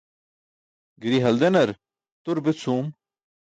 Giri haldenar tur be cʰuum.